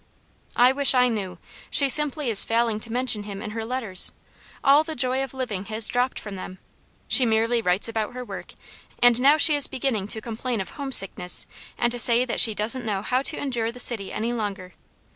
"I wish I knew! She simply is failing to mention him in her letters; all the joy of living has dropped from them, she merely writes about her work; and now she is beginning to complain of homesickness and to say that she doesn't know how to endure the city any longer.